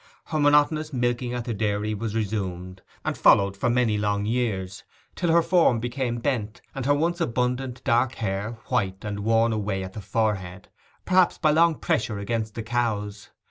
Her monotonous milking at the dairy was resumed, and followed for many long years, till her form became bent, and her once abundant dark hair white and worn away at the forehead—perhaps by long pressure against the cows.